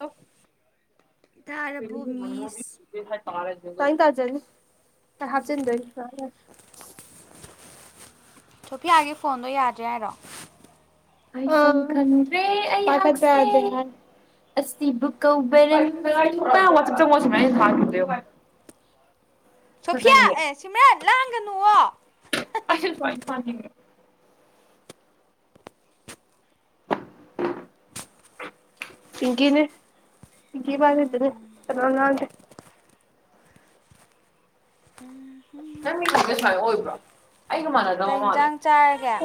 Of ꯇꯥꯔꯕꯣ ꯃꯤꯁ [unintelligible] ꯇꯥꯅꯤꯡ ꯇꯥꯖꯅꯤ ꯗ ꯍꯥꯞꯆꯤꯟꯗꯣꯏꯅꯤ ꯊꯣꯛꯣꯄꯤ ꯌꯥꯒꯤ ꯐꯣꯟꯗꯣ ꯌꯥꯗ꯭ꯔꯦ ꯍꯥꯏꯔꯣ? ꯅꯔꯤ ꯆꯗ [unintelligible] ꯁꯣꯐꯤꯌꯥ ꯐꯖꯩꯌꯦ ꯑꯦ ꯁꯤꯃꯔꯠ ꯂꯥꯡꯒꯅꯨꯑꯣ ꯫ ꯑꯁꯜ ꯐ ꯐ ꯄꯤꯡꯀꯤꯅꯦ ꯄꯤꯡꯀꯤ ꯄꯃꯤꯗꯨꯅꯦ ꯀꯅꯥꯣ ꯉꯥꯡꯁꯦ꯫ ꯎꯝꯝ ꯅꯪꯒꯤ ꯁꯥꯏꯗ ꯁ꯭ꯋꯥꯏ ꯑꯣꯏꯕ꯭ꯔꯣ ꯑꯩꯒ ꯃꯥꯟꯅꯗꯦ꯫ ꯀꯩ ꯌꯦꯟꯖꯥꯡ ꯆꯥꯔꯒꯦ꯫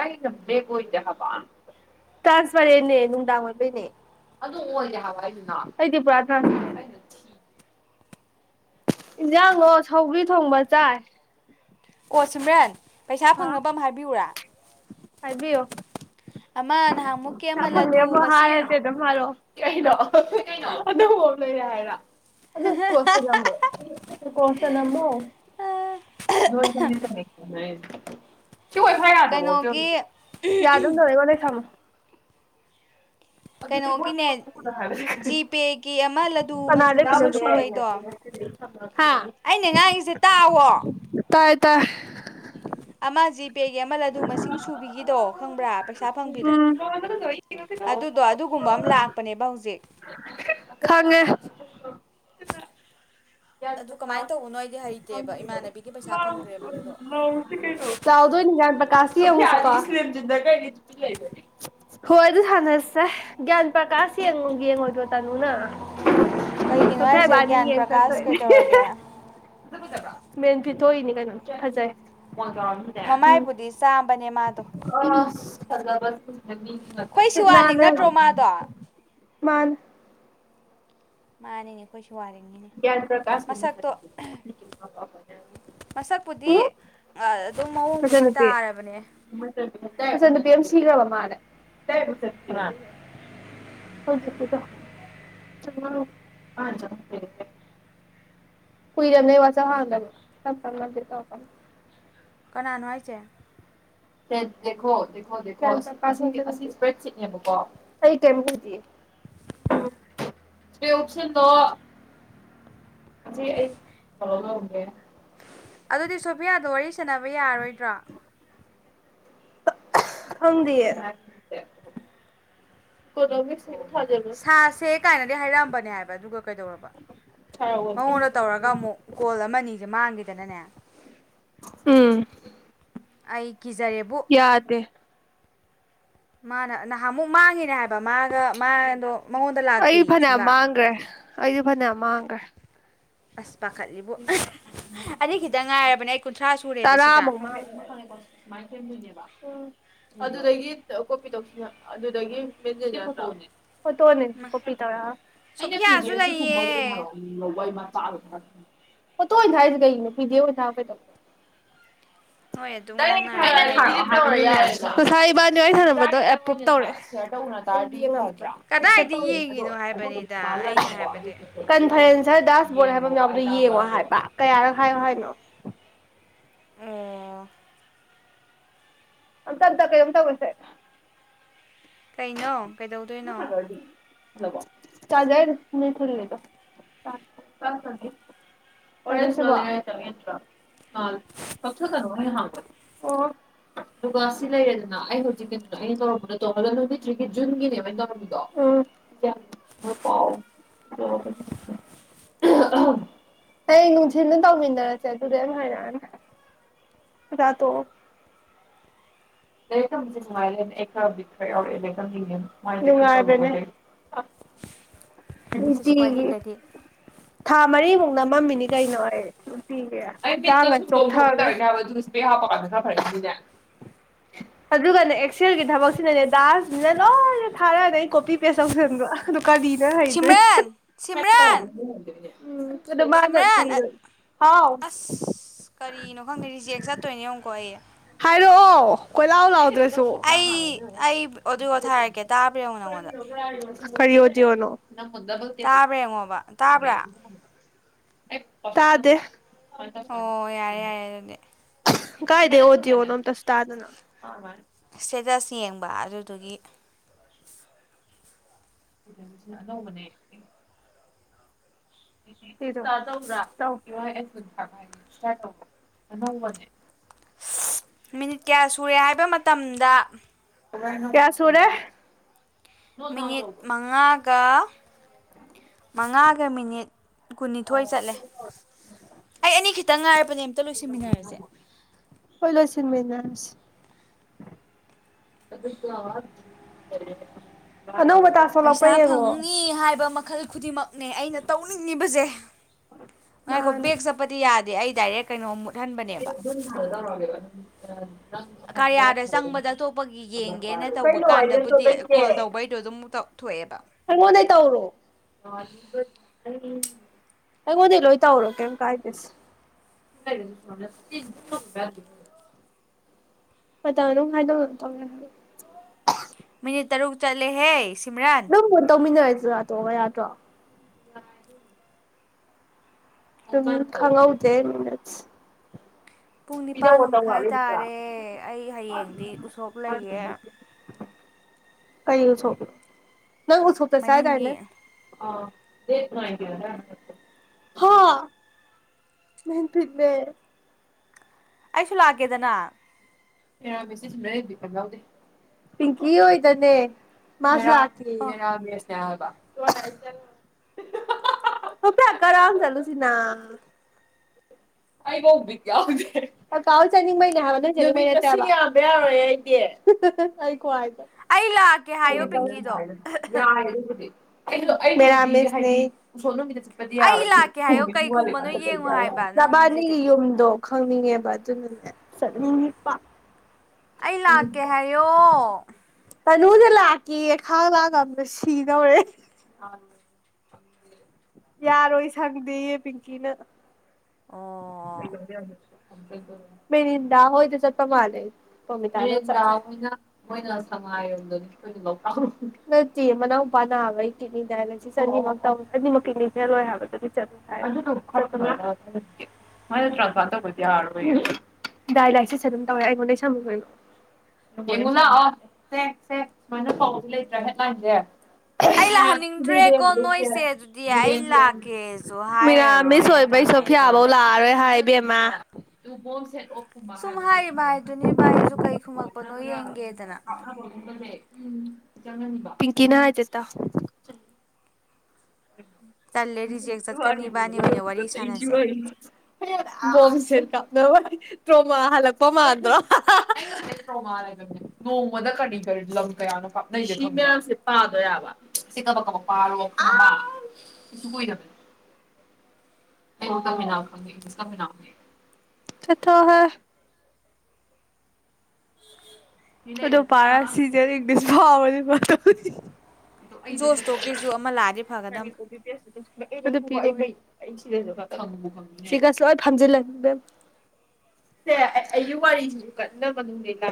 ꯑꯩꯅꯕꯦꯒꯣꯣꯏꯗ ꯍꯥꯕ ꯇꯥꯁ ꯐꯔꯦꯟꯅ ꯅꯨꯅꯨꯡꯗꯥꯉꯔꯕꯅꯦ꯫ ꯑꯗꯨ ꯑꯣꯏꯒꯦ ꯍꯥꯏꯅ ꯑꯩꯗꯤ ꯄꯨꯔꯥ ꯇ ꯏꯟꯁꯥꯡꯉꯣ ꯁꯧꯕ꯭ꯔꯤ ꯊꯣꯡꯕ ꯆꯥꯏ꯫ ꯑꯣ ꯁꯃ꯭ꯔꯦꯟ ꯄꯩꯁꯥ ꯍꯥ ꯐꯪꯅꯕ ꯑꯃ ꯍꯥꯏꯕꯤꯎꯔꯥ꯫ ꯍꯥꯏꯕꯤꯌꯣ꯫ ꯑꯃ ꯅꯍꯥꯟꯃꯨꯛꯀꯤ ꯑꯃ ꯂꯗꯨ ꯃꯁꯤꯡ ꯃꯥꯜꯂꯣ ꯀꯩꯅꯣ ꯀꯩꯅꯗ ꯍꯣ ꯂꯣꯏꯔꯦ ꯍꯥꯏꯔ ꯑꯗꯨꯗ ꯀꯣꯁ ꯅꯝꯕꯣ ꯀꯣꯁ ꯅꯝꯕꯣ [unintelligible] ꯁꯤ ꯑꯣꯏꯣꯏꯥ ꯌꯥꯗꯦꯕꯣ ꯀꯩꯅꯣꯒꯤ ꯌꯥꯗꯧꯗꯣ ꯂꯩꯉꯣꯟ ꯅ ꯊꯝꯃꯣ ꯀꯩꯅꯣꯒꯤꯅꯦ ꯖꯤꯄꯦꯒꯤ ꯑꯃ ꯂꯗꯨ ꯃꯆꯨ ꯃꯁꯤꯡ ꯁꯨꯕꯩꯗꯣ [unintelligible] ꯍꯥ ꯑꯩꯅ ꯉꯥꯡꯉꯁꯦ ꯇꯥꯑꯣ ꯇꯥꯏ ꯇꯥꯏ ꯑꯃ ꯖꯤꯄꯦꯒꯤ ꯑꯃꯃꯜ ꯑꯗꯨ ꯃꯁꯤꯡ ꯁꯨꯕꯤꯒꯤꯗꯣ ꯈꯪꯕ꯭ꯔꯥ ꯄꯩꯁꯥ ꯐꯪꯕꯤꯗꯣ ꯎꯝ ꯑꯗꯨꯗꯣ ꯑꯗꯨꯒꯨꯝꯕ ꯑꯃ ꯂꯥꯛꯄꯅꯦꯕ ꯍꯧꯖꯤꯛ ꯈꯪꯉꯦ꯫ ꯑꯗꯨ ꯀꯃꯥꯏꯅ ꯇꯧꯕꯅꯣ ꯑꯩꯗꯤ ꯍꯩꯇꯦꯕ ꯏꯃꯥꯟꯅꯕꯤꯒꯤ ꯄꯩꯁꯥ ꯐꯪꯗ꯭ꯔꯦꯕ ꯑꯗꯨꯗꯣ ꯆꯥꯎꯗꯅꯤ ꯌꯥ ꯄꯀꯥꯥꯁ ꯍꯣꯏ ꯑꯗꯨ ꯁꯥꯟꯅꯁꯦ ꯒ꯭ꯌꯥꯟ ꯄ꯭ꯔꯀꯥꯁ ꯌꯦꯡꯉ ꯌꯦꯡꯉꯣꯏꯗꯣ ꯇꯥꯅꯨ ꯅꯪ ꯀꯩꯒꯤꯅꯣ ꯍꯥꯏꯁꯦ ꯁꯥꯏ ꯅꯤ ꯒ꯭ꯌꯥꯟ ꯌꯦ ꯆꯁ ꯄ꯭ꯔꯀꯥꯁ ꯀꯩꯗꯧꯔꯒꯦ ꯃꯦꯟ ꯄꯤꯊꯣꯛꯏꯅꯤ ꯀꯩꯅꯣꯝ ꯐꯖꯩ ꯃꯃꯥꯏꯕꯨꯗꯤ ꯆꯥꯝꯕꯅꯦ ꯃꯥꯗꯣ ꯑꯅ ꯑꯩꯈꯣꯏ ꯁꯤꯋꯥꯂꯤꯛ ꯅꯠꯇ꯭ꯔꯣ ꯃꯥꯗꯣ ꯃꯥꯅ ꯃꯥꯅꯤꯅꯦ ꯑꯩꯈꯣꯏꯁꯨ ꯋꯥꯉꯤꯅꯦ ꯃꯁꯛꯇꯣ ꯃꯁꯛꯄꯨꯗꯤ ꯎꯝ ꯑꯗꯨꯝ ꯃꯑꯣꯡꯕꯨꯗꯤ ꯇꯥꯔꯕꯅꯦ꯫ ꯆꯟ ꯄꯦꯝꯔꯃꯝ ꯃꯥꯅꯦ꯫ ꯍꯧꯗ ꯆꯖ [unintelligible] ꯀꯣꯏꯔ ꯅꯩ ꯋꯥꯆꯍꯗ ꯁꯇ ꯇꯥꯞꯅ ꯇꯥꯞꯅ ꯇꯦꯔꯛꯅꯤ ꯫ ꯀꯅꯥꯅꯣ ꯍꯥꯏꯁꯦ꯫ ꯦꯈꯣ ꯗꯈꯣꯈꯣ ꯏꯁꯄ꯭ꯔꯦ ꯆꯛꯅꯦꯕꯀꯣ ꯀ ꯀꯝꯗꯤ ꯄ ꯑꯣꯁꯟ ꯅ ꯑꯩ ꯄꯂꯣ ꯂꯧꯒꯦ ꯑꯗꯨꯗꯤ ꯁꯣꯐꯤꯌꯥꯗꯣ ꯋꯥꯔꯤ ꯁꯅꯕ ꯌꯥꯔꯣꯏꯗ꯭ꯔꯣ ꯍ ꯀꯣ ꯊꯖ ꯊꯥꯁꯦ ꯀꯥꯏꯅꯗꯤ ꯍꯥꯏꯔꯛꯑꯝꯕꯅꯦ ꯍꯥꯏꯕ ꯑꯗꯨꯒ ꯀꯩꯗꯧꯔꯕ ꯁꯥꯔꯑꯣꯜꯒꯤ ꯃꯉꯣꯟꯗ ꯇꯧꯔꯒ ꯑꯃꯨꯛ ꯀꯣꯜ ꯑꯃ ꯑꯅꯤꯁꯦ ꯃꯥꯡꯈꯤꯗꯅꯅꯦ ꯎꯝ ꯑꯩ ꯀꯤꯖꯔꯦꯕꯨ ꯌꯥꯗꯦ ꯃꯥꯅ ꯅꯍꯥꯟꯃꯨꯛ ꯃꯥꯡꯉꯤꯅꯦ ꯍꯥꯏꯕ ꯃꯥꯒ ꯃꯥꯗꯣ ꯃꯉꯣꯟꯗ ꯂꯥꯛꯇꯦ ꯁꯨꯡꯂꯥꯛ ꯒꯦ ꯑꯩꯗꯤ ꯐꯅꯌꯥꯝ ꯃꯥꯡꯈ꯭ꯔꯦ ꯑꯁ ꯄꯥꯈꯠꯂꯤꯕꯣ ꯑꯅꯤ ꯈꯤꯇꯪ ꯉꯥꯏꯔꯕꯅꯦ ꯑꯩ ꯀꯨꯟꯊ꯭ꯔꯥ ꯁꯨꯔꯦꯕ ꯁꯤꯒ [unintelligible] ꯃꯥꯏ ꯀꯅꯦꯕ ꯑꯗꯨꯗꯒꯤ ꯀꯣꯄꯤ ꯇꯧ ꯑꯗꯨꯗꯒꯤ ꯃꯦꯟꯖꯅꯦ ꯐꯣꯠꯇꯣꯅꯦ ꯇꯧꯔ ꯑꯩꯅ ꯁꯣꯐꯤꯌꯥꯁꯨ ꯂꯩꯌꯦ ꯄꯧꯕ ꯃꯆꯥ ꯄꯣ ꯑꯣꯏꯅ ꯊꯥꯏꯁꯦ ꯀꯩ ꯅꯨꯄꯤꯗꯤ ꯑꯣꯏꯅ ꯊꯥꯕꯩꯗꯣ ꯅꯣꯏ ꯑꯗꯨꯝ ꯗꯩꯩ ꯉꯥꯡꯅꯔꯒ ꯂꯩꯔꯣ ꯊꯔꯣ ꯌꯥ [unintelligible] ꯉꯁꯥ ꯏꯕꯥꯅꯤ ꯋꯥꯔꯤ ꯁꯥꯟꯅꯕꯗꯣ ꯑꯦꯄ꯭ꯔꯨꯞ ꯇꯧꯔꯦ ꯁꯦ ꯀꯗꯥꯏꯗ ꯌꯦꯡꯉꯤꯅꯣ ꯍꯥꯏꯕꯅꯤꯗ ꯑꯩꯅ ꯍꯥꯏꯕꯗꯤ ꯀꯟꯐꯔꯦꯟꯁꯔ ꯗꯥꯁꯕꯣꯔꯗ ꯍꯥꯏꯕ ꯑꯃ ꯌꯥꯎꯕꯗꯣ ꯌꯦꯡꯉꯣ ꯍꯥꯏꯕ ꯀꯌꯥꯔ ꯍꯥꯏꯌꯣ ꯍꯥꯏꯅꯣ ꯑꯣ ꯑ ꯇꯔꯗ ꯀꯩꯅꯣꯝ ꯇꯧꯒꯁꯦ ꯀꯩꯅꯣ ꯀꯩꯗꯧꯗꯣꯏꯅꯣ ꯇꯥꯖ ꯍꯥꯏ ꯅ ꯊꯅꯤꯗ ꯦ꯭ꯔ ꯀꯊ ꯇꯣꯅꯤ ꯍꯕ [unintelligible] ꯑꯗꯨꯒ ꯁꯤ ꯂꯩꯔꯦꯗꯅ ꯑꯩ ꯍꯧꯖꯤꯛ ꯀꯩꯅꯣꯗ ꯑꯩꯅꯧꯔꯝꯕꯗꯣ ꯇꯣꯡꯉ ꯅꯨꯃꯤꯠꯠꯇ꯭ꯔꯤꯒꯤ ꯖꯨꯟꯒꯤꯅꯦ ꯌꯥꯥꯎ ꯑ ꯍꯌꯦ ꯅꯨꯡꯊꯤꯅ ꯇꯧꯃꯤꯟꯅꯔꯁꯦ ꯑꯗꯨꯗꯤ ꯑ ꯍꯥꯏꯔꯛꯑꯅꯤ ꯌꯥꯗꯣ ꯂꯩ꯭ꯔ ꯁꯤꯁ ꯍꯧꯅꯨꯡꯇꯤꯒꯤ ꯋꯥꯔꯤꯒꯗꯤ ꯊꯥ ꯃꯔꯤꯃꯨꯛꯅ ꯃꯝꯃꯤꯅꯤ ꯀꯩꯅꯣ ꯍꯥꯏꯔꯦ ꯍꯥ ꯄ ꯐꯅꯦ [unintelligible] ꯑꯗꯨꯒꯅꯦ ꯑꯦꯛꯁꯦꯜꯒꯤ ꯊꯕꯛꯁꯤꯅꯅꯦ ꯗꯥꯁꯅꯤꯅ ꯂꯣꯏꯅ ꯊꯥꯔꯛꯑꯗ ꯑꯩ ꯀꯣꯄꯤ ꯄꯦꯁ ꯇꯧꯁꯟꯕ ꯑꯗꯨ ꯀꯔꯤꯅ ꯁꯤꯝꯔꯟ ꯁꯤꯝꯔꯟ ꯃꯥꯅ ꯁꯤꯝꯔꯟ ꯍꯥꯎ ꯑꯁ ꯀꯔꯤꯅꯣ ꯈꯪꯗꯦ ꯔꯤꯖꯦꯛ ꯆꯠꯇꯣꯏꯅꯦ ꯌꯦꯉꯨꯀꯣ ꯑꯩꯦ ꯍꯥꯏꯔꯛꯑꯣ ꯀꯣꯏꯂꯥꯎ ꯂꯥꯎꯗ꯭ꯔꯁꯦ ꯁ ꯑꯩ ꯑꯩ ꯑꯣꯗꯤꯑꯣ ꯊꯥꯔꯛꯀꯦ ꯇꯥꯕ꯭ꯔꯥ ꯌꯦꯡꯉꯣ ꯅꯪꯉꯣꯟꯗ ꯀ ꯀꯔꯤꯌꯣꯗꯤꯅ ꯇꯥꯕ꯭ꯔꯥ ꯌꯦꯡꯉꯣꯕ ꯇꯥꯕ꯭ꯔꯥ ꯇꯥꯗꯦ ꯑꯣ ꯌꯥꯔꯦ ꯌꯥꯔꯦ ꯑꯗꯨꯗꯤ ꯀꯥꯏꯗꯦ ꯍꯗꯤ ꯑꯣ ꯅꯣ ꯇꯁ ꯑꯗꯨꯗꯅ ꯁ꯭ꯇꯦꯇꯁ ꯌꯦꯡꯕ ꯑꯗꯨꯗꯨꯒꯤ ꯀꯩꯗꯁꯤꯅ ꯑꯅꯧꯕꯅꯦ ꯔ ꯇ꯭ꯔꯥꯎ ꯀ ꯁ ꯅꯧꯅꯦ ꯃꯤꯅꯤꯠ ꯀꯌꯥ ꯁꯨꯔꯦ ꯍꯥꯏꯕ ꯃꯇꯝꯗ ꯀꯌꯥ ꯁꯨꯔ‌ꯦ ꯃꯤꯅꯤꯠ ꯃꯉꯥꯒ ꯃꯉꯥꯒ ꯃꯤꯅꯤꯠ ꯀꯨꯟꯅꯤꯊꯣꯏ ꯆꯠꯂꯦ ꯑꯩ ꯑꯅꯤ ꯈꯤꯇꯪ ꯉꯥꯏꯔꯕꯅꯦ ꯑꯝꯇ ꯂꯣꯏꯁꯤꯟꯃꯤꯟꯅꯔꯁꯦ ꯍꯣꯏꯂꫭꯏꯁꯟꯃꯤꯅꯔꯁꯤ ꯑꯅꯧꯕ ꯇꯥꯛꯁ ꯄꯩꯁꯥ ꯊꯣꯛꯂꯛꯄ꯭ꯔꯥ ꯌꯦꯡꯉꯣ ꯐꯪꯅꯤ ꯍꯥꯏꯕ ꯃꯈꯜ ꯈꯨꯗꯤꯡꯃꯛꯅꯦ ꯑꯩꯅ ꯇꯧꯅꯤꯡꯉꯤꯕꯁꯦ ꯉꯥꯏꯈꯣ ꯃꯥꯅꯦ ꯕꯦꯛ ꯆꯠꯄꯗꯤ ꯌꯥꯗꯦ ꯑꯩ ꯗꯥꯏꯔꯦꯛ ꯀꯩꯅꯣ ꯃꯨꯠꯍꯟꯕꯅꯦꯕ ꯍꯜꯖꯔ ꯋꯥꯒꯦ [unintelligible] ꯑ [unintelligible] ꯀꯔꯤꯌꯥꯗ ꯆꯪꯕꯗ ꯑꯇꯣꯞꯄꯒꯤ ꯌꯦꯡꯒꯦꯅ ꯇꯧꯕ ꯀꯩꯅꯣ ꯂꯦꯞꯇꯣꯞ ꯀꯥꯟꯗꯕꯨꯗꯤ ꯂꯩꯇꯦ ꯀꯣꯜ ꯇꯧꯕꯩꯗꯣ ꯑꯗꯨꯝ ꯇꯧꯊꯣꯛꯑꯦꯕ ꯑꯩꯉꯣꯟꯗꯩ ꯇꯧꯔꯣ ꯑꯩꯉꯣꯟꯗꯩ ꯂꯣꯏ ꯇꯧꯔꯣ ꯀꯩꯝ ꯀꯥꯏꯗꯦꯁꯦ ꯃ [unintelligible] ꯄꯇꯥ ꯑꯣꯅꯣ ꯍꯥꯏꯗ ꯇꯧ ꯍꯥꯏ [unintelligible] ꯃꯤꯅꯤꯠ ꯇꯔꯨꯛ ꯆꯠꯂꯦꯍꯦ ꯁꯤꯝꯔꯥ ꯣꯟ ꯇꯧꯟꯅꯔꯁꯤ ꯌꯥꯗꯣꯧꯕ ꯌꯥꯗ꯭ꯔꯣ [unintelligible] ꯑꯗꯨꯝ ꯈꯪꯉꯧꯗ‌ꯦ ꯃꯤꯅꯠꯁ‌ꯦ ꯄꯨꯡ ꯅꯤꯄꯥꯟꯒ ꯃꯈꯥꯏ ꯇꯥꯔꯦ ꯑꯩ ꯍꯌꯦꯡꯗꯤ ꯎꯁꯣꯛ ꯂꯩꯌꯦ ꯀꯩꯒꯤ ꯎꯁꯣꯞꯅꯣ ꯅꯪ ꯎꯁꯣꯄꯇ ꯆꯥꯏ ꯗꯥꯏꯅꯦ ꯃꯅꯤꯡꯒꯤ ꯍꯥ ꯅꯟꯄꯤꯗꯋꯦ [unintelligible] ꯑꯩꯁꯨ ꯂꯥꯛꯀꯦꯗꯅ ꯄꯤꯡꯀꯤ ꯍꯣꯏꯗꯅꯦ ꯃꯥꯁꯨ ꯂꯥꯛ ꯊ ꯑꯣ ꯔꯁ [unintelligible] ꯍ ꯐ ꯍꯛꯀ ꯔꯥꯎꯟ ꯆꯂꯨ ꯁꯤꯅꯥ [unintelligible] ꯑꯩꯕꯥꯎ ꯕꯤꯠ ꯌꯥꯎꯗꯦ ꯀꯥ ꯀꯥ ꯍꯣꯏ ꯆꯠꯅꯤꯡꯕꯩꯅꯦ ꯍꯥꯏꯕ ꯅꯣꯏꯖꯦ ꯃꯤ [unintelligible] ꯌꯥꯝꯕ ꯌꯥꯔꯣꯏ ꯑꯩꯗꯤ ꯑꯩ ꯈꯨ ꯍꯥꯏꯗꯣ ꯑꯩ ꯂꯥꯛꯀꯦ ꯍꯥꯏꯌꯣ ꯄꯤꯡꯀꯤꯗꯣ [unintelligible] ꯌꯥꯏ ꯑꯗꯨꯕꯨꯗꯤ ꯑꯩꯗꯣ ꯑꯩ ꯃꯔꯝꯃꯦꯁ [unintelligible] ꯈꯔꯩ ꯎꯁꯣ ꯅꯨꯃꯤꯠꯇ ꯆꯠꯄꯗꯤ ꯑꯩ ꯂꯥꯛꯀꯦ ꯍꯥꯏꯌꯣ ꯀꯩ ꯈꯨꯝꯕꯅꯣ ꯌꯥꯔꯣꯏꯄꯗꯤ ꯌꯦꯡꯉꯣ ꯍꯥꯏꯕ ꯌꯥ ꯅꯪꯁꯤꯗꯤ ꯌꯨꯝꯗꯣ ꯈꯪꯅꯤꯡꯉꯦꯕ ꯑꯗꯨꯅꯅꯦ ꯆꯠꯅꯤꯡꯉꯛꯄ ꯑꯩ ꯂꯥꯛꯀꯦ ꯍꯥꯏꯌꯣ ꯇꯟꯅꯨꯖꯨ ꯂꯥꯛꯀꯦꯌꯦ ꯈꯥꯡ ꯂꯥꯛ ꯉꯝꯗ꯭ꯔꯦ ꯁꯤꯗꯧꯔꯦ ꯑ [unintelligible] ꯈꯪꯗꯦ [unintelligible] ꯌꯥꯔꯣꯏ ꯁꯪꯗꯦꯌꯦ ꯄꯤꯡꯀꯤꯅ ꯑꯣ ꯃꯦꯔꯤꯟꯗꯥ ꯍꯣꯏꯗ ꯆꯠꯄ ꯃꯥꯥꯜꯂꯦ ꯄ꯭ꯔꯣꯃꯤꯇꯥꯗꯣ ꯥꯅ ꯆꯠ ꯁ ꯍꯥꯏ [unintelligible] ꯅꯠꯇ ꯃꯅꯥꯎꯄ ꯅꯋꯡꯕꯒꯤ ꯀꯤꯠꯅꯤ [unintelligible] ꯁꯤ ꯁꯅꯤ ꯃ ꯇꯅꯤꯃꯛ ꯆꯔꯣꯏ ꯍꯥꯏꯕꯗꯨꯗꯤ ꯆꯠꯂꯣꯏ ꯍꯥꯏ ꯑꯗꯨ [unintelligible] ꯗꯥꯏ ꯂꯥꯏꯁꯤꯁ ꯑꯗꯨꯝ ꯇꯧꯋꯦ ꯑꯩꯉꯣꯟꯗ ꯁꯝꯃꯣ ꯌꯦꯡꯉꯨ ꯂꯥꯛꯑꯣ ꯁꯦꯁꯦ ꯁꯨꯃꯥꯏꯅ ꯄꯥꯎꯁꯦ ꯂꯩꯇ꯭ꯔꯥ ꯍꯦꯠꯂꯥꯏꯟꯁꯦ ꯑꯩꯂꯛ ꯍꯟꯅꯤꯡꯗ꯭ꯔꯦꯀꯣ ꯅꯣꯏꯁꯦ ꯑꯗꯨꯗꯤ ꯑꯩ ꯂꯥꯛꯀꯦꯁꯨ ꯍꯥꯏꯔꯔꯣꯏ ꯃꯤꯔꯥꯃꯤꯁ ꯑꯣꯏꯕꯩ ꯑꯗꯨꯃꯥꯏꯅ ꯁꯣꯐꯤꯌꯥꯐꯧ ꯇꯧꯔꯦ ꯂꯥꯛꯑꯔꯣꯏ ꯍꯥꯏ ꯏꯕꯦꯝꯃ ꯀꯨꯝꯕ ꯁꯨꯝ ꯍꯥꯏꯕꯁꯦ ꯍꯥꯏꯔꯤꯕ ꯁꯨꯃꯥꯏꯅ ꯍꯥꯏꯗꯨꯅꯤ ꯏꯕꯥꯅꯤꯁꯨ ꯀꯩ ꯁꯨꯃꯥꯏꯅ ꯈꯨꯝꯃꯛꯄꯅꯣ ꯈꯔ ꯌꯦꯡꯒꯦꯗꯅ ꯍꯥꯞꯅꯕꯒꯨꯝꯕꯁꯦ [unintelligible] ꯄꯤꯡꯀꯤꯅ ꯍꯥꯏꯖꯦ ꯇꯥꯎ ꯇꯜꯂꯦ ꯍꯥꯏ ꯔꯤꯖꯦꯛ ꯆꯠꯀꯅꯤ ꯏꯕꯥꯅꯤ ꯑꯣꯏꯅ ꯋꯥꯔꯤ ꯀꯆ ꯁꯥꯟꯅꯁꯦ ꯋꯥꯔꯤ [unintelligible] ꯝꯁꯦꯔꯀ ꯇ꯭ꯔꯣꯃꯥ ꯍꯜꯂꯛꯄ ꯃꯥꯥꯟꯗ꯭ꯔꯣ ꯅꯣꯡꯃꯗ ꯀꯔꯤ ꯀꯔꯤ ꯂꯝ ꯀꯌꯥꯅꯣ ꯀꯥꯞꯅꯩꯁꯦ ꯁꯤ ꯃꯌꯥꯝꯁꯦ ꯄꯥꯗꯣꯏ ꯌꯥꯕ ꯁꯤ ꯀꯕꯛ ꯀꯕꯛ ꯄꯥꯔꯣ ꯈꯪꯕ꯭ꯔꯥ ꯀꯩꯁꯨ ꯀꯨꯏꯗꯕꯅꯦ ꯆꯠꯊꯣꯏꯍꯦ ꯑꯗꯣ ꯄꯔꯥꯁ ꯁꯤꯖꯔꯗꯤꯁ ꯐꯕꯗꯤ ꯄꯠꯇ ꯖꯣꯁꯇꯣꯛꯀꯤꯁꯨ ꯑꯃ ꯂꯥꯛꯑꯗꯤ ꯐꯒꯗꯝꯅꯦ [unintelligible] ꯁꯤꯒꯥꯛꯁꯦ ꯂꯣꯏ ꯐꯝꯖꯤꯜꯂꯝꯃꯦ ꯏꯕꯦꯝ ꯁꯦ ꯑꯌꯨ ꯋꯥꯔꯤꯁꯨ ꯀꯟꯅꯅꯦ ꯂ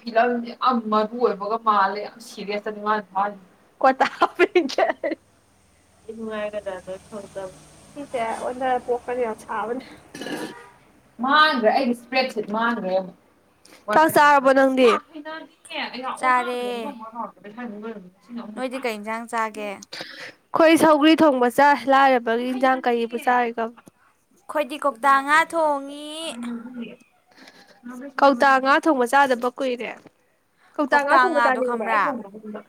ꯐꯤꯂꯝꯁꯦ ꯌꯥꯝ ꯃꯔꯨ ꯑꯣꯏꯕꯒ ꯃꯥꯜꯂꯦ ꯌꯥꯝ ꯁꯦꯔꯤꯌꯁꯇꯅꯤ ꯃꯥꯅ ꯊꯥꯔꯤꯁꯦ ꯀꯇꯥ ꯏꯃꯗ ꯈꯪꯗ ꯁꯤꯁꯦ ꯑꯣ ꯄꯣꯛꯀꯅꯤ ꯌꯥꯝ ꯁꯥꯕꯅꯦ ꯃꯥꯡꯈ꯭ꯔꯦ ꯑꯩꯒꯤ ꯏꯁꯄ꯭ꯔꯦꯠꯁꯤ ꯃꯥꯡꯈ꯭ꯔꯦ ꯆꯥꯔꯕꯣ ꯅꯪꯗꯤ [unintelligible] ꯆꯥꯔꯦ ꯅꯣꯏꯗꯤ ꯀꯩ ꯏꯟꯁꯥꯡ ꯆꯥꯒꯦ ꯑꯩꯈꯣꯏ ꯁꯧꯒ꯭ꯔꯤ ꯊꯣꯡꯕ ꯆꯥꯏ ꯂꯥꯏꯔꯕꯒꯤ ꯏꯟꯖꯥꯡ ꯀꯔꯤꯕꯨ ꯆꯥꯔꯤꯒꯕ ꯑꯩꯈꯣꯏꯗꯤ ꯀꯧꯇꯥ ꯉꯥ ꯊꯣꯡꯉꯤ ꯀꯧꯇꯥ ꯉꯥ ꯊꯣꯡꯕ ꯆꯥꯗꯕ ꯀꯨꯏꯔꯦ ꯀꯧꯇꯥꯛ ꯉꯥ ꯀꯧꯇꯥ ꯊꯣꯡꯕ ꯉꯥꯗꯣ ꯆꯥꯅꯤꯡꯕ ꯈꯪꯕ꯭ꯔꯥ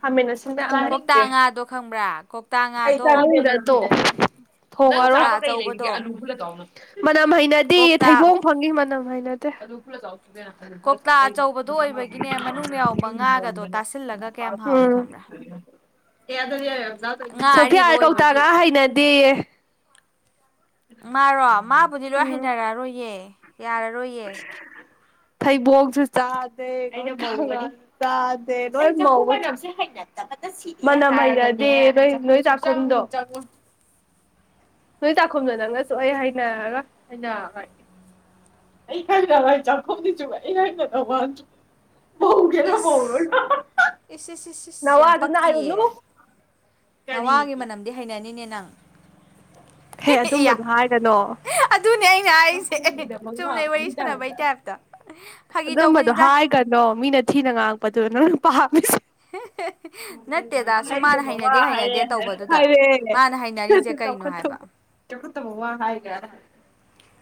ꯍꯥꯃꯦꯟꯅ ꯑꯁꯤ ꯉꯗꯦ ꯇꯥꯡꯉꯥꯗꯣ ꯉ ꯑꯆꯧꯕꯗꯣ ꯃꯅꯝ ꯍꯩꯅꯗꯤ ꯀꯧꯇꯥ ꯊꯩꯕ ꯐꯪꯉ ꯃꯅꯝ ꯍꯥꯏ ꯅꯠꯇꯦ [unintelligible] ꯀꯧꯇꯥ ꯑꯆꯧꯕꯗꯣ ꯑꯣꯏꯕꯒꯤꯅꯦ ꯃꯅꯨꯡꯗ ꯌꯥꯎꯕ ꯉꯥꯒꯗꯣ ꯇꯥꯁꯤꯜꯂꯒ ꯀꯌꯥꯝ ꯍꯥꯎꯏ ꯈꯪꯕ꯭ꯔꯥ ꯉꯥ ꯑꯔꯤꯕ ꯁꯣꯐꯤꯌꯥꯔ ꯑꯣꯏꯕꯒꯤ ꯀꯧꯇꯥꯒ ꯍꯩꯅꯗꯦꯌꯦ ꯃꯥꯔꯣ ꯃꯥꯕꯨꯗꯤ ꯂꯣꯏ ꯎꯝ ꯍꯩꯅꯔꯛꯑꯔꯣꯏꯌꯦ ꯌꯥꯔꯔꯣꯏꯌꯦ ꯊꯩꯕꯣꯛꯁꯨ ꯆꯥꯗꯦ ꯆꯥꯗꯦ ꯂꯣꯏ ꯃꯅꯝ ꯃꯥꯏꯅꯗꯤꯦ ꯅꯣꯏ ꯅꯣꯏ ꯆꯥꯛ ꯆꯗꯣ ꯅꯣꯏ ꯇꯥꯛꯈꯨꯝꯗꯣ ꯅꯪꯅꯁꯨ ꯑꯩ ꯍꯥꯏꯅꯔꯒ ꯍꯥꯏꯩꯅ ꯑꯩ ꯍꯥꯏꯅ ꯂꯥꯏ ꯆꯥꯛꯐꯅꯤ ꯆꯕ ꯑꯩ ꯍꯥꯏꯅ ꯇ ꯍꯧꯒꯦꯎ ꯏꯁ ꯏꯁ ꯏꯁ ꯏꯁ ꯏꯁ ꯅꯋꯥ ꯌꯥꯝ ꯑꯗꯨ ꯑꯗꯨꯅ ꯍꯥꯏꯨꯂꯨ ꯄꯛꯇꯤꯌꯦ ꯀꯔꯤꯒꯤ ꯗꯦꯍꯥꯏꯅꯤ ꯅꯅꯪ ꯍꯦ ꯏ ꯑꯗꯨꯝꯕꯗꯣ ꯍꯥꯏꯒꯅꯣ ꯑꯗꯨꯅꯦ ꯑꯩꯅ ꯑꯩꯁꯦ ꯆꯥꯛꯈꯨꯝꯒꯤꯗꯃꯛ ꯆꯨꯝꯅꯩ ꯋꯥꯔꯤ ꯂꯥꯛꯄꯒꯤ ꯁꯥꯟꯅꯕꯩ ꯇꯥꯏꯞꯇ ꯐꯥꯒꯤ ꯇꯧꯕ ꯑꯗꯨꯣ ꯍꯥꯏꯒꯅꯣ ꯃꯤꯅ ꯊꯤꯅ ꯉꯥꯡꯉꯛꯄꯗꯨ ꯅꯪꯅ ꯄꯥꯝꯃꯤ ꯍ ꯍꯥꯏꯒꯦ ꯕꯕꯥ ꯍꯥꯏꯔꯦ ꯍꯩꯅꯗꯦ ꯇꯧꯕꯗꯨꯗ ꯍꯥꯏꯔꯦ ꯃꯥꯅ ꯍꯩꯅꯔꯤꯁꯦ ꯆꯥꯎꯈ ꯀꯩꯅꯣ ꯍꯥꯏꯕ ꯆ ꯇꯕꯣ ꯋꯥ ꯍꯥꯏꯒ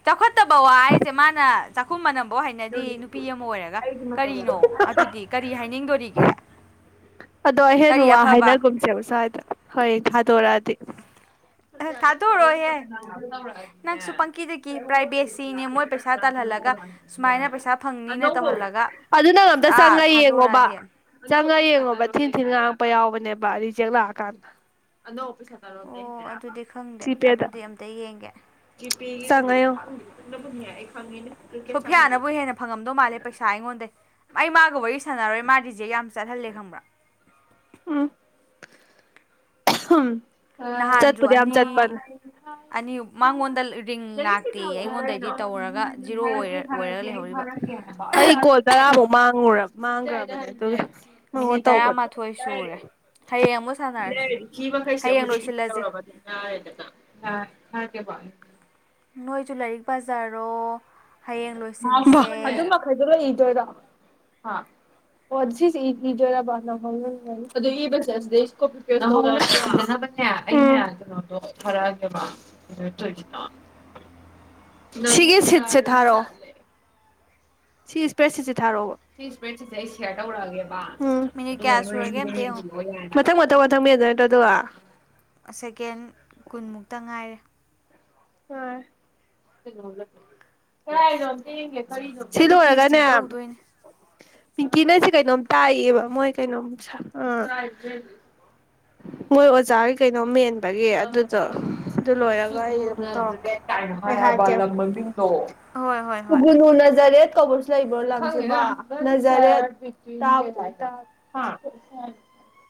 ꯆꯥꯎꯈꯠꯇꯕ ꯋꯥ ꯑꯩꯁꯦ ꯃꯥꯅ ꯆꯥꯛꯈꯨꯝ ꯃꯅꯝꯐꯧ ꯍꯩꯅꯗꯤ ꯅꯨꯄꯤ ꯑꯃ ꯑꯣꯏꯔꯒ ꯑꯩꯒꯤ ꯃꯇꯝ ꯌꯥꯝ ꯀꯔꯤꯅꯣ ꯑꯗꯨꯗꯤ ꯀꯔꯤ ꯍꯥꯏꯅꯤꯡꯗꯣꯔꯤꯒꯦ ꯑꯗꯣ ꯍꯦꯟꯅ ꯀꯔꯤ ꯋꯥ ꯑꯐꯕ ꯍꯥꯏꯅꯒꯨꯝꯁꯦꯕ ꯁ꯭ꯋꯥꯏꯗ ꯍꯣꯏꯌꯦꯡ ꯊꯥꯗꯣꯔꯛꯑꯗꯤ ꯊꯥꯗꯣꯔꯣꯍꯦ ꯅꯪꯁꯨ ꯄꯪꯀꯤꯗꯒꯤ ꯄ꯭ꯔꯥꯏꯚꯦꯁꯤꯅꯦ ꯃꯣꯏ ꯄꯩꯁꯥ ꯇꯥꯜꯍꯜꯂꯒ ꯁꯨꯃꯥꯏꯅ ꯄꯩꯁꯥ [unintelligible] ꯑꯅ ꯐꯪꯅꯤꯅ ꯇꯧꯍꯜꯂꯒ ꯑꯗꯨꯅ ꯑꯝꯇ ꯑꯥ ꯆꯪꯉ ꯌꯦꯡꯉꯣꯕ ꯊꯥꯗꯣꯔꯛꯑꯗꯤ ꯆꯪꯉꯒ ꯌꯦꯡꯉꯣꯕ ꯊꯤꯟ ꯊꯤꯟ ꯉꯥꯡꯉꯛꯄ ꯌꯥꯎꯕꯅꯦꯕ ꯔꯤꯖꯦꯛ ꯂꯥꯛꯑꯀꯥꯟꯗ ꯑꯅꯧꯕ ꯍꯥꯏ ꯑꯣ ꯑꯗꯨꯗꯤ ꯈꯪꯗꯦ ꯁꯤꯄꯦꯗ ꯑꯗꯨꯗꯤ ꯑꯝꯇ ꯌꯦꯡꯒꯦ ꯆꯉꯣ ꯈ ꯁꯣꯐꯤꯌꯥꯅꯕꯨ ꯍꯦꯟꯅ ꯐꯪꯉꯝꯗꯧ ꯃꯥꯜꯂꯦ ꯄꯩꯁꯥ ꯑꯩꯉꯣꯟꯗ ꯑꯩ ꯃꯥꯒ ꯋꯥꯔꯤ ꯁꯥꯟꯅꯔꯣꯏ ꯃꯥꯗꯤꯖꯦ ꯌꯥꯝ ꯆꯠꯍꯜꯂꯦ ꯈꯕ꯭ꯔꯥ ꯎꯝ ꯎꯝ ꯅꯍꯥꯟꯁꯨ ꯆꯠꯄꯗꯤ ꯌꯥꯝ ꯆꯠꯄꯟ ꯑꯅꯤ ꯑꯅꯤ ꯃꯉꯣꯟꯗ ꯔꯤꯡ ꯂꯥꯛꯇꯦ ꯑꯩꯉꯣꯟꯗꯩꯗꯤ ꯇꯧꯔꯒ ꯖꯤꯔꯣ ꯔꯗꯤꯦꯔꯦ ꯑꯣꯏꯔ ꯍꯔ ꯑꯣꯏꯔꯒ ꯂꯩꯍꯧꯔꯤꯕ ꯑꯩ ꯀꯣ ꯇꯔꯥꯃꯨꯛ ꯃꯥꯡꯉ ꯃꯥꯡꯈ꯭ꯔꯕ ꯑꯗꯨꯒ ꯑꯣ ꯃꯤꯅꯤꯠ ꯑꯣ ꯇ ꯇꯔꯥꯃꯥꯊꯣꯏ ꯁꯨꯔꯦ ꯍꯌꯦꯡ ꯑꯃꯨꯛ ꯁꯥꯟꯅꯔꯁꯤ ꯃꯈꯩꯁꯦ ꯍꯌꯦꯡ ꯑꯩꯈꯣꯏꯗ ꯏꯗꯤꯠ ꯂꯣꯏꯁꯤꯜꯂꯁꯤ ꯇꯧꯔꯒ ꯑꯗꯨꯝ ꯌꯥꯔꯦꯗꯅ ꯊꯔꯀꯦꯕ ꯅꯣꯏꯖꯨ ꯂꯥꯏꯔꯤꯛ ꯕꯖꯥꯔꯣ ꯑꯗꯨ ꯃꯈꯩꯗꯣ ꯂꯩꯗꯣꯏꯔꯣ ꯑ ꯑꯣꯁꯤ ꯏꯖꯔ ꯑꯗꯨꯕꯁꯦ ꯑꯦ ꯑꯩꯩꯅ ꯀꯩꯅꯣꯗꯣ ꯐꯥꯔꯛꯑꯒꯦꯕ ꯇꯣꯏꯅꯣ ꯁꯤꯤꯒꯦꯁꯤꯠꯁꯦ ꯊꯔꯣ ꯁꯤ ꯏꯁꯄ꯭ꯔꯦꯗ ꯁꯤꯠꯁꯦ ꯊꯥꯔꯛꯑꯣꯕ ꯁꯤ ꯏꯁꯄ꯭ꯔꯦꯗ ꯁꯤꯁꯦ ꯑꯩ ꯁꯤꯦꯌꯥꯔ ꯇꯧꯔꯛꯑꯒꯦꯕ ꯃꯤꯅꯤꯠ ꯑꯗꯨꯒ ꯀꯌꯥ ꯁꯨꯔꯒꯦ ꯑꯝꯇ ꯌꯦꯡꯉꯣ ꯃꯊꯪ ꯃꯊꯪ ꯃꯊꯪ ꯃꯤꯗ ꯅꯠꯇ ꯑꯗꯨꯒ ꯁꯦꯀꯦꯟ ꯀꯨꯟꯃꯨꯛꯇ ꯉꯥꯏꯔꯦ ꯑ ꯁꯤ ꯑꯩꯗꯤ ꯐꯤ ꯂꯣꯏꯔꯒꯅꯦ ꯏꯁꯇ꯭ꯔꯤ ꯇꯧꯗꯣꯏꯅꯦ ꯄꯤꯡꯀꯤꯅ ꯁꯤ ꯀꯩꯅꯣꯝ ꯇꯥꯛꯌꯦꯕ ꯃꯣꯏ ꯀꯩꯅꯣꯝ ꯑ ꯎꯝ ꯃꯣꯏ ꯑꯣꯖꯥꯒꯤ ꯀꯩꯅꯣ ꯃꯦꯟꯕꯒꯤ ꯑꯗꯨꯗꯣ ꯑꯗꯨ ꯂꯣꯏꯔꯒ ꯑꯩ ꯍꯣꯏ ꯍꯣꯏ ꯍꯣꯏ ꯇꯨꯒꯨꯅꯍꯅꯖꯔꯤ ꯈ ꯣ ꯅꯖꯔ